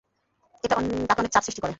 এটা তাকে অনেক চাপ সৃষ্টি করে।